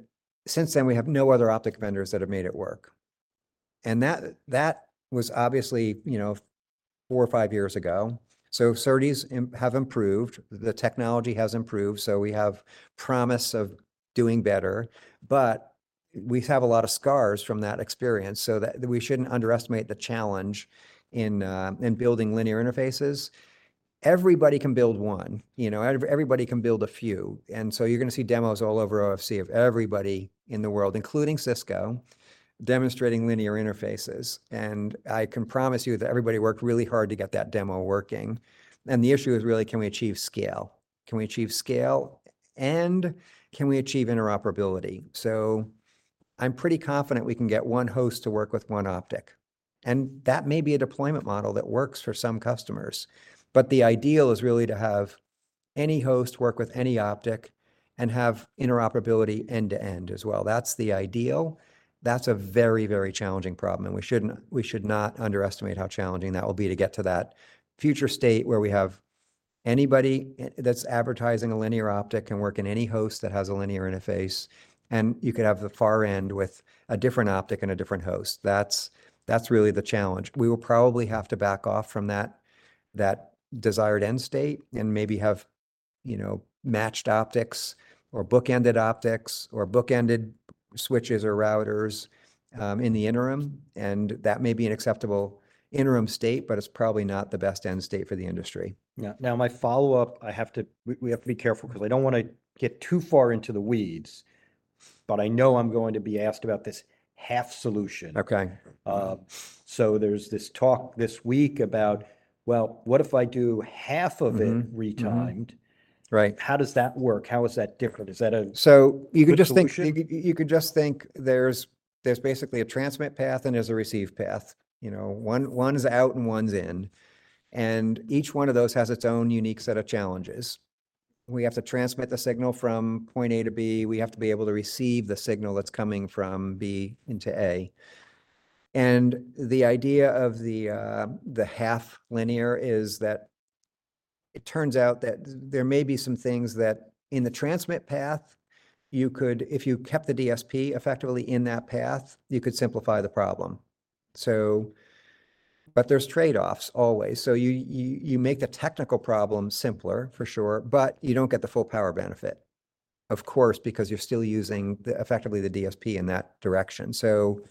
E: since then, we have no other optic vendors that have made it work. And that was obviously, you know, four or five years ago. So SerDes have improved, the technology has improved, so we have promise of doing better, but we have a lot of scars from that experience, so that we shouldn't underestimate the challenge in building linear interfaces. Everybody can build one, you know, everybody can build a few, and so you're gonna see demos all over OFC of everybody in the world, including Cisco, demonstrating linear interfaces. And I can promise you that everybody worked really hard to get that demo working, and the issue is really: Can we achieve scale? Can we achieve scale, and can we achieve interoperability? So I'm pretty confident we can get one host to work with one optic, and that may be a deployment model that works for some customers. But the ideal is really to have any host work with any optic and have interoperability end to end as well. That's the ideal. That's a very, very challenging problem, and we should not underestimate how challenging that will be to get to that future state where we have anybody that's advertising a linear optic can work in any host that has a linear interface, and you could have the far end with a different optic and a different host. That's really the challenge. We will probably have to back off from that desired end state and maybe have, you know, matched optics or bookended optics or bookended switches or routers in the interim, and that may be an acceptable interim state, but it's probably not the best end state for the industry.
D: Yeah. Now, my follow-up, I have to—we have to be careful because I don't wanna get too far into the weeds, but I know I'm going to be asked about this half solution.
E: Okay.
D: So there's this talk this week about, well, what if I do half of it-
E: Mm-hmm...
D: re-timed?
E: Mm-hmm. Right.
D: How does that work? How is that different? Is that a-
E: So you can just think-
D: -good solution?
E: You can just think there's basically a transmit path, and there's a receive path. You know, one, one's out, and one's in, and each one of those has its own unique set of challenges. We have to transmit the signal from point A to B. We have to be able to receive the signal that's coming from B into A. And the idea of the half linear is that it turns out that there may be some things that in the transmit path, you could. If you kept the DSP effectively in that path, you could simplify the problem. So, but there's trade-offs always. So you make the technical problem simpler for sure, but you don't get the full power benefit, of course, because you're still using the, effectively, the DSP in that direction. So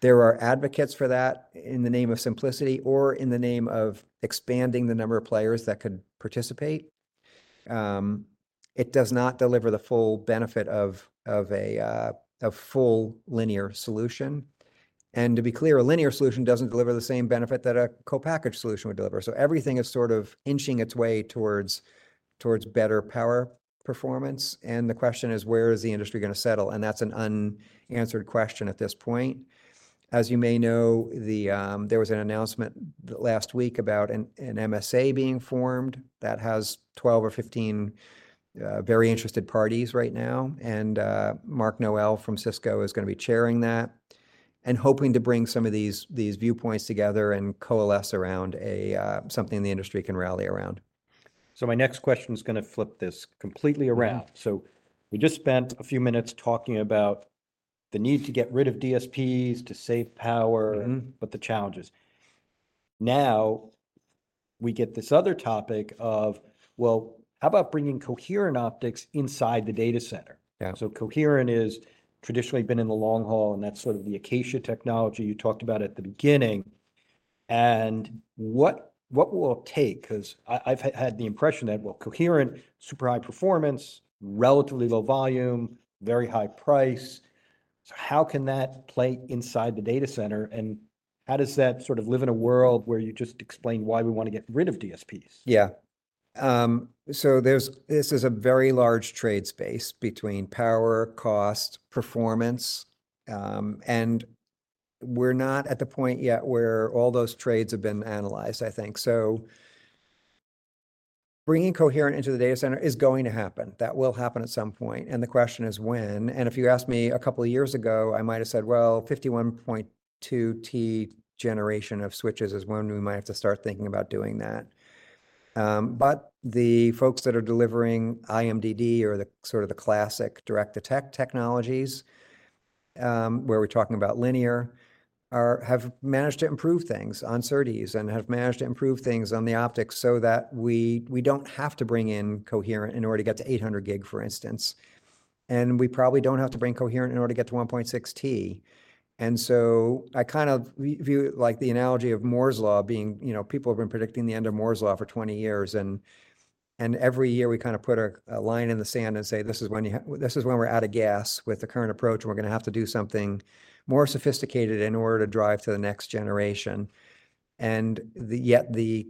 E: there are advocates for that in the name of simplicity or in the name of expanding the number of players that could participate. It does not deliver the full benefit of a full linear solution. And to be clear, a linear solution doesn't deliver the same benefit that a co-packaged solution would deliver. So everything is sort of inching its way towards better power performance, and the question is: Where is the industry gonna settle? And that's an unanswered question at this point. As you may know, there was an announcement last week about an MSA being formed that has 12 or 15 very interested parties right now, and Mark Nowell from Cisco is gonna be chairing that and hoping to bring some of these viewpoints together and coalesce around something the industry can rally around....
D: So my next question is going to flip this completely around. So we just spent a few minutes talking about the need to get rid of DSPs to save power-
E: Mm-hmm.
D: But the challenges. Now, we get this other topic of, well, how about bringing coherent optics inside the data center?
E: Yeah.
D: So coherent has traditionally been in the long haul, and that's sort of the Acacia technology you talked about at the beginning. And what will it take? 'Cause I've had the impression that, well, coherent, super high performance, relatively low volume, very high price. So how can that play inside the data center, and how does that sort of live in a world where you just explained why we want to get rid of DSPs?
E: Yeah. So there's this is a very large trade space between power, cost, performance, and we're not at the point yet where all those trades have been analyzed, I think. So, bringing coherent into the data center is going to happen. That will happen at some point, and the question is when? And if you asked me a couple of years ago, I might have said, "Well, 51.2-Tb generation of switches is when we might have to start thinking about doing that." But the folks that are delivering IMDD or the sort of the classic direct detect technologies, where we're talking about linear, have managed to improve things on SerDes and have managed to improve things on the optics so that we, we don't have to bring in coherent in order to get to 800 Gb, for instance. And we probably don't have to bring coherent in order to get to 1.6 Tb. And so I kind of view it like the analogy of Moore's Law being, you know, people have been predicting the end of Moore's Law for 20 years, and every year we kind of put a line in the sand and say, "This is when you—this is when we're out of gas with the current approach, and we're gonna have to do something more sophisticated in order to drive to the next generation." Yet the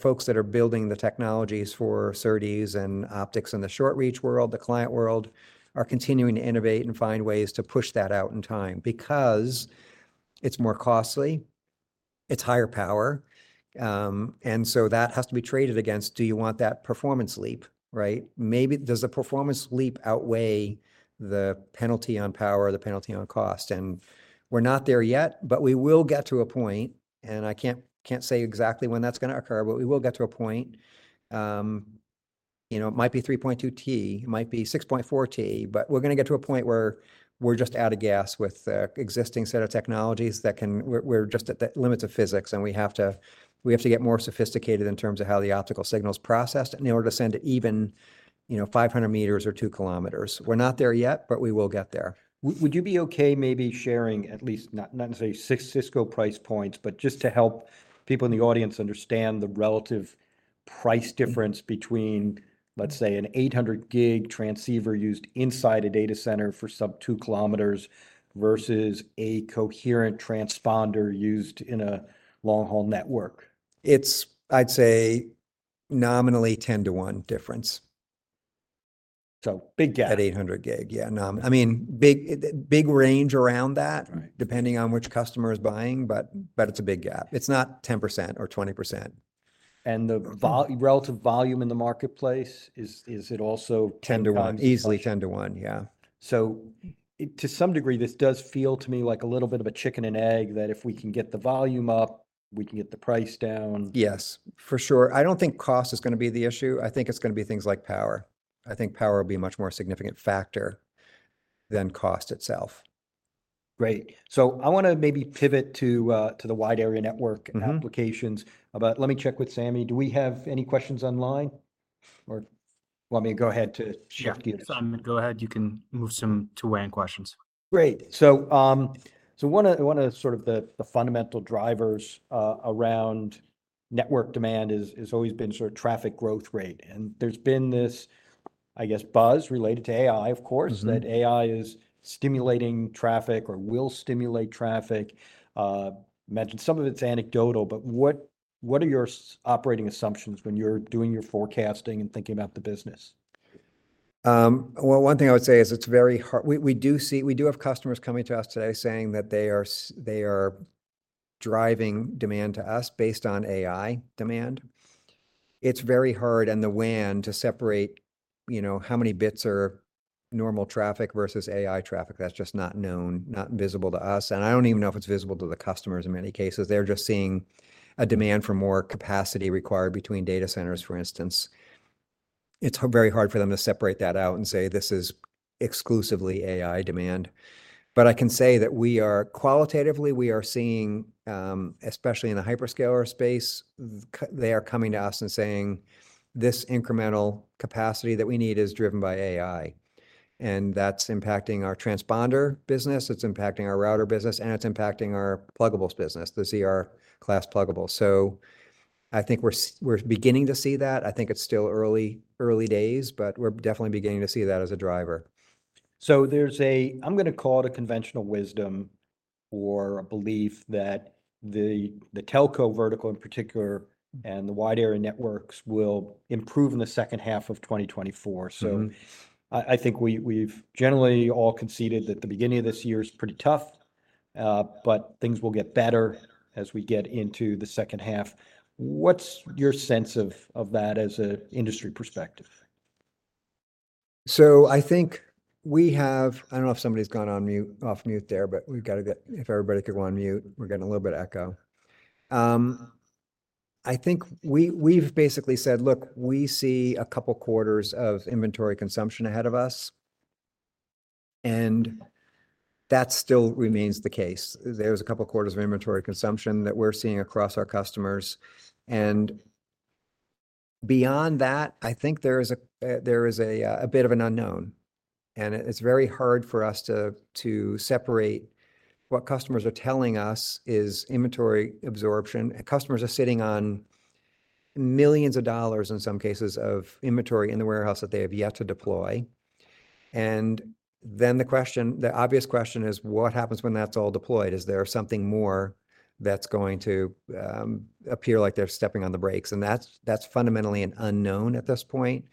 E: folks that are building the technologies for SerDes and optics in the short reach world, the client world, are continuing to innovate and find ways to push that out in time, because it's more costly, it's higher power, and so that has to be traded against, do you want that performance leap, right? Maybe does the performance leap outweigh the penalty on power or the penalty on cost? We're not there yet, but we will get to a point, and I can't, I can't say exactly when that's gonna occur, but we will get to a point, you know, it might be 3.2 Tb, it might be 6.4 Tb, but we're gonna get to a point where we're just out of gas with the existing set of technologies. We're just at the limits of physics, and we have to, we have to get more sophisticated in terms of how the optical signal is processed in order to send even, you know, 500 m or 2 km. We're not there yet, but we will get there.
D: Would you be okay maybe sharing at least, not, not necessarily Cisco price points, but just to help people in the audience understand the relative price difference between, let's say, an 800-Gb transceiver used inside a data center for sub-2 km versus a coherent transponder used in a long-haul network?
E: It's, I'd say, nominally 10-to-one difference.
D: So, big gap.
E: At 800 Gb, yeah, I mean, big, big range around that-
D: Right...
E: depending on which customer is buying, but, but it's a big gap. It's not 10% or 20%.
D: The relative volume in the marketplace, is it also 10 to one?
E: Easily 10 to one, yeah.
D: To some degree, this does feel to me like a little bit of a chicken and egg, that if we can get the volume up, we can get the price down.
E: Yes, for sure. I don't think cost is gonna be the issue. I think it's gonna be things like power. I think power will be a much more significant factor than cost itself.
D: Great. So I wanna maybe pivot to the wide area network-
E: Mm-hmm...
D: applications. But let me check with Sami. Do we have any questions online, or you want me to go ahead to share with you?
C: Simon, go ahead. You can move some to WAN questions.
D: Great. So, one of the sort of the fundamental drivers around network demand has always been sort of traffic growth rate. And there's been this, I guess, buzz related to AI, of course-
E: Mm-hmm...
D: that AI is stimulating traffic or will stimulate traffic. Mentioned some of it's anecdotal, but what are your operating assumptions when you're doing your forecasting and thinking about the business?
E: Well, one thing I would say is it's very hard. We do have customers coming to us today saying that they are driving demand to us based on AI demand. It's very hard in the WAN to separate, you know, how many bits are normal traffic versus AI traffic. That's just not known, not visible to us, and I don't even know if it's visible to the customers in many cases. They're just seeing a demand for more capacity required between data centers, for instance. It's very hard for them to separate that out and say, "This is exclusively AI demand." But I can say that we are—qualitatively, we are seeing, especially in the hyperscaler space, they are coming to us and saying, "This incremental capacity that we need is driven by AI." And that's impacting our transponder business, it's impacting our router business, and it's impacting our pluggables business, the ZR-class pluggables. So I think we're—we're beginning to see that. I think it's still early, early days, but we're definitely beginning to see that as a driver.
D: There's a. I'm gonna call it a conventional wisdom or a belief that the telco vertical in particular, and the wide area networks will improve in the second half of 2024.
E: Mm-hmm.
D: So I think we've generally all conceded that the beginning of this year is pretty tough, but things will get better as we get into the second half. What's your sense of that as an industry perspective?
E: So I think we have, I don't know if somebody's gone on mute, off mute there, but we've got to get-- if everybody could go on mute, we're getting a little bit of echo. I think we, we've basically said, "Look, we see a couple quarters of inventory consumption ahead of us," and that still remains the case. There's a couple quarters of inventory consumption that we're seeing across our customers, and beyond that, I think there is a, there is a, a bit of an unknown, and it, it's very hard for us to, to separate what customers are telling us is inventory absorption. Customers are sitting on millions of dollars, in some cases, of inventory in the warehouse that they have yet to deploy. And then the question, the obvious question is, what happens when that's all deployed? Is there something more that's going to appear like they're stepping on the brakes? And that's fundamentally an unknown at this point.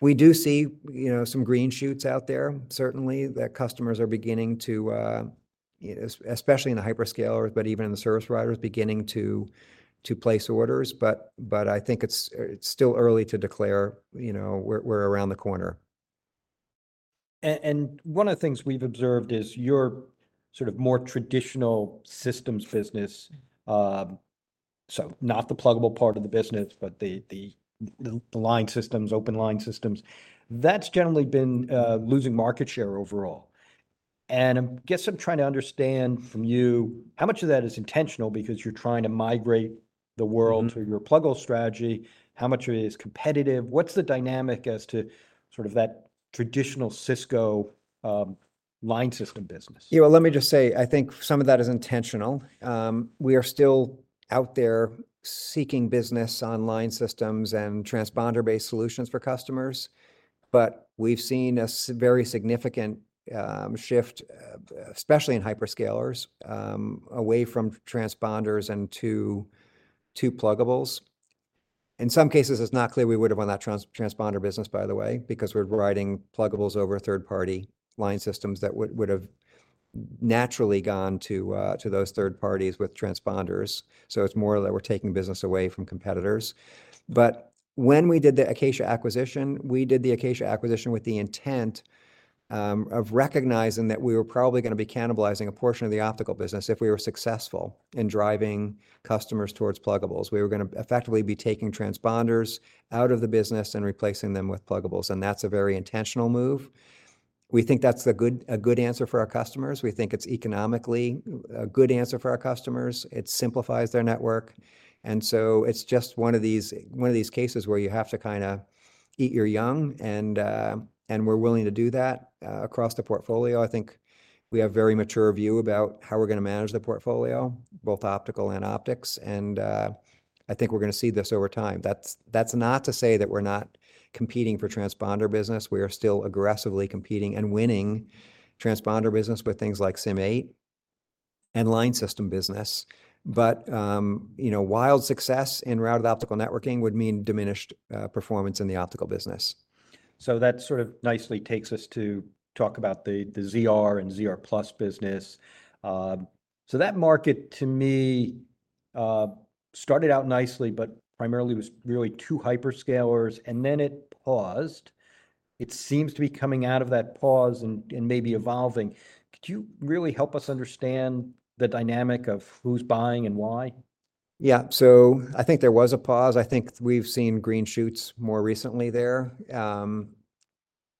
E: We do see, you know, some green shoots out there, certainly, that customers are beginning to especially in the hyperscalers, but even in the service providers, beginning to place orders. But I think it's still early to declare, you know, we're around the corner.
D: And one of the things we've observed is your sort of more traditional systems business, so not the pluggable part of the business, but the line systems, open line systems, that's generally been losing market share overall. And I guess I'm trying to understand from you, how much of that is intentional because you're trying to migrate the world-
E: Mm-hmm...
D: to your pluggable strategy? How much of it is competitive? What's the dynamic as to sort of that traditional Cisco line system business?
E: Yeah, well, let me just say, I think some of that is intentional. We are still out there seeking business on line systems and transponder-based solutions for customers, but we've seen a very significant shift, especially in hyperscalers, away from transponders and to pluggables. In some cases, it's not clear we would have won that transponder business, by the way, because we're providing pluggables over third-party line systems that would have naturally gone to those third parties with transponders. So it's more that we're taking business away from competitors. But when we did the Acacia acquisition, we did the Acacia acquisition with the intent of recognizing that we were probably gonna be cannibalizing a portion of the optical business if we were successful in driving customers towards pluggables. We were gonna effectively be taking transponders out of the business and replacing them with pluggables, and that's a very intentional move. We think that's a good, a good answer for our customers. We think it's economically a good answer for our customers. It simplifies their network, and so it's just one of these, one of these cases where you have to kinda eat your young, and, and we're willing to do that. Across the portfolio, I think we have very mature view about how we're gonna manage the portfolio, both optical and optics, and, I think we're gonna see this over time. That's, that's not to say that we're not competing for transponder business. We are still aggressively competing and winning transponder business with things like CIM 8 and line system business. But, you know, wild success in Routed Optical Networking would mean diminished performance in the optical business.
D: So that sort of nicely takes us to talk about the ZR and ZR+ business. So that market, to me, started out nicely, but primarily was really two hyperscalers, and then it paused. It seems to be coming out of that pause and maybe evolving. Could you really help us understand the dynamic of who's buying and why? Yeah. So I think there was a pause. I think we've seen green shoots more recently there, and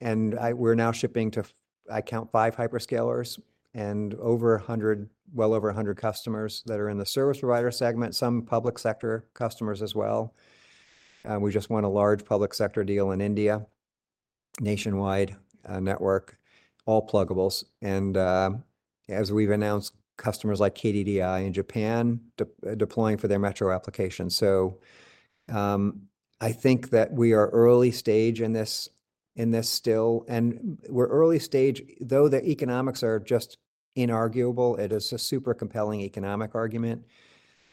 D: we're now shipping to, I count five hyperscalers and over 100, well over 100 customers that are in the service provider segment, some public sector customers as well. We just won a large public sector deal in India, nationwide, network, all pluggables. And, as we've announced, customers like KDDI in Japan deploying for their metro applications. So, I think that we are early stage in this, in this still, and we're early stage, though the economics are just inarguable, it is a super compelling economic argument,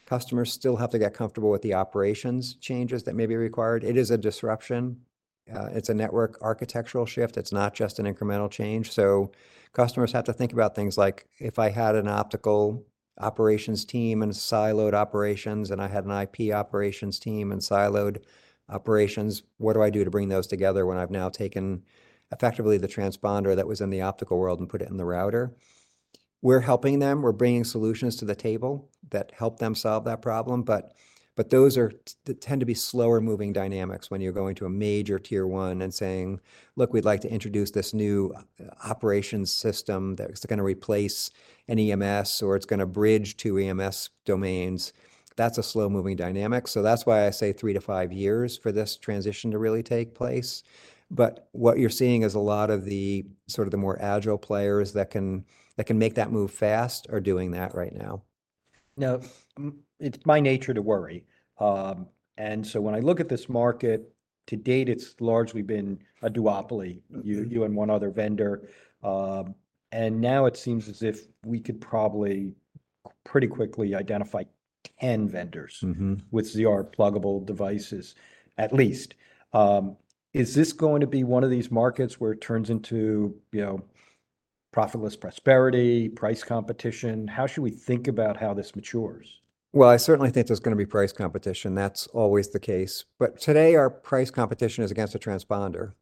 D: customers still have to get comfortable with the operations changes that may be required. It is a disruption. It's a network architectural shift. It's not just an incremental change. So customers have to think about things like, if I had an optical operations team and siloed operations, and I had an IP operations team and siloed operations, what do I do to bring those together when I've now taken, effectively, the transponder that was in the optical world and put it in the router? We're helping them. We're bringing solutions to the table that help them solve that problem, but, but those are- tend to be slower-moving dynamics when you're going to a major tier one and saying, "Look, we'd like to introduce this new operations system that is gonna replace an EMS, or it's gonna bridge two EMS domains." That's a slow-moving dynamic, so that's why I say three-five years for this transition to really take place. But what you're seeing is a lot of the, sort of the more agile players that can make that move fast are doing that right now. Now, it's my nature to worry, and so when I look at this market, to date, it's largely been a duopoly.
E: Mm-hmm...
D: you and one other vendor. Now it seems as if we could probably pretty quickly identify 10 vendors-
E: Mm-hmm...
D: with ZR pluggable devices, at least. Is this going to be one of these markets where it turns into, you know, profitless prosperity, price competition, how should we think about how this matures?
E: Well, I certainly think there's gonna be price competition. That's always the case. But today, our price competition is against a transponder.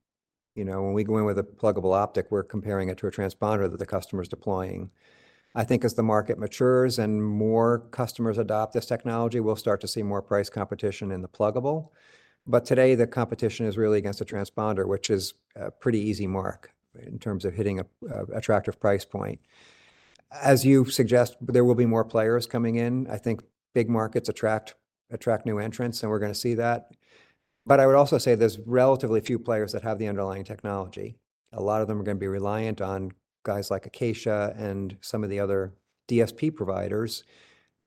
E: You know, when we go in with a pluggable optic, we're comparing it to a transponder that the customer's deploying. I think as the market matures and more customers adopt this technology, we'll start to see more price competition in the pluggable. But today, the competition is really against a transponder, which is a pretty easy mark in terms of hitting an attractive price point. As you suggest, there will be more players coming in. I think big markets attract new entrants, and we're gonna see that. But I would also say there's relatively few players that have the underlying technology. A lot of them are gonna be reliant on guys like Acacia and some of the other DSP providers,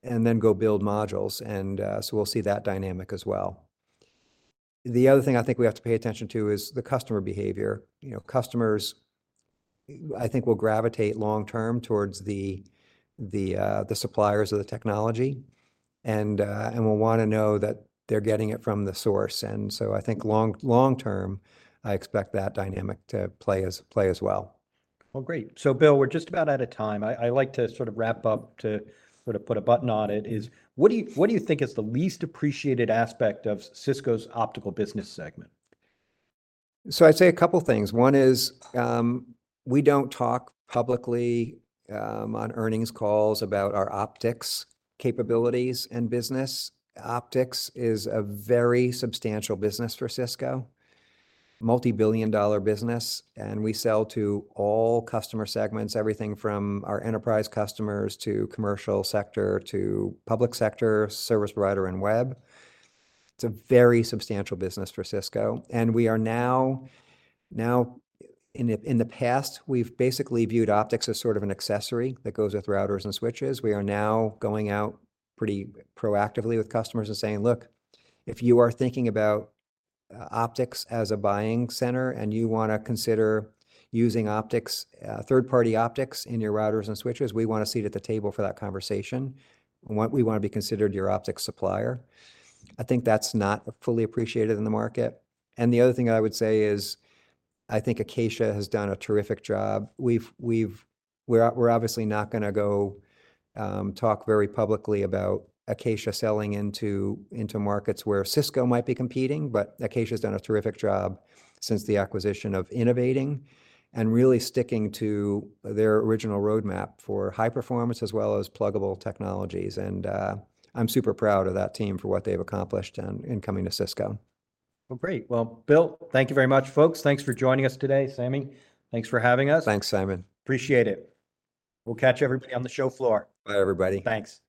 E: and then go build modules, and, so we'll see that dynamic as well. The other thing I think we have to pay attention to is the customer behavior. You know, customers, I think, will gravitate long term towards the suppliers of the technology, and, and will wanna know that they're getting it from the source. And so I think long, long term, I expect that dynamic to play as well.
D: Well, great. So Bill, we're just about out of time. I like to sort of wrap up, to sort of put a button on it, is what do you, what do you think is the least appreciated aspect of Cisco's optical business segment?
E: So I'd say a couple things. One is, we don't talk publicly on earnings calls about our optics capabilities and business. Optics is a very substantial business for Cisco, multi-billion dollar business, and we sell to all customer segments, everything from our enterprise customers to commercial sector to public sector, service provider, and web. It's a very substantial business for Cisco, and we are now. In the past, we've basically viewed optics as sort of an accessory that goes with routers and switches. We are now going out pretty proactively with customers and saying, "Look, if you are thinking about optics as a buying center, and you wanna consider using optics, third-party optics in your routers and switches, we want a seat at the table for that conversation. We want, we wanna be considered your optics supplier." I think that's not fully appreciated in the market. And the other thing I would say is, I think Acacia has done a terrific job. We're obviously not gonna go talk very publicly about Acacia selling into markets where Cisco might be competing, but Acacia's done a terrific job since the acquisition of innovating and really sticking to their original roadmap for high performance as well as pluggable technologies, and I'm super proud of that team for what they've accomplished in coming to Cisco.
D: Well, great. Well, Bill, thank you very much. Folks, thanks for joining us today. Sami, thanks for having us.
E: Thanks, Simon.
D: Appreciate it. We'll catch everybody on the show floor.
E: Bye, everybody.
D: Thanks.